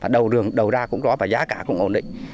đầu đường đầu ra cũng đó và giá cả cũng ổn định